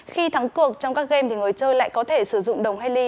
khi thắng cuộc trong các game thì người chơi lại có thể sử dụng đồng hê ly